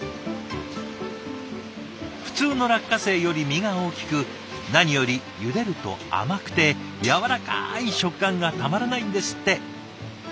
普通の落花生より実が大きく何よりゆでると甘くて軟らかい食感がたまらないんですって。